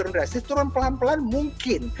drastis turun pelan pelan mungkin